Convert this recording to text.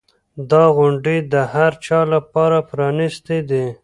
دا غونډې د هر چا لپاره پرانیستې دي.